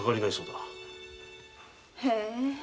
へえ。